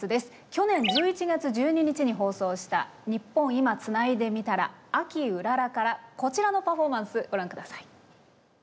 去年１１月１２日に放送した「ニッポン『今』つないでみたら秋うらら」からこちらのパフォーマンスご覧下さい。